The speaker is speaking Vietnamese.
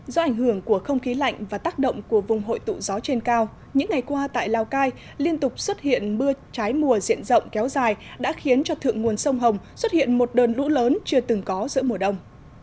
do ảnh hưởng của không khí lạnh và tác động của vùng hội tụ gió trên cao những ngày qua tại lào cai liên tục xuất hiện mưa trái mùa diện rộng kéo dài đã khiến cho thượng nguồn sông hồng xuất hiện một đơn lũ lớn chưa từng có giữa mùa đông